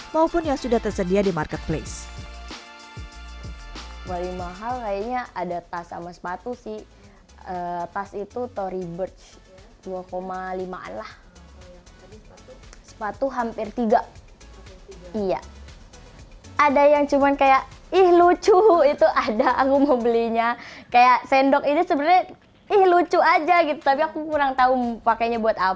maupun yang sudah tersedia di marketplace